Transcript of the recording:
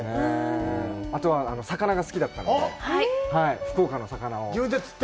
あとは魚が好きだったので、福岡の魚を。